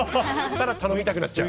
ただ、頼みたくなっちゃう。